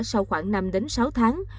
sau khoảng năm sáu tháng